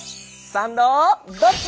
「サンドどっち」！